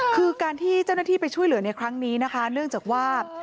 คือการที่เจ้าหน้าที่ไปช่วยเหลือในครั้งนี้นะคะเนื่องจากว่า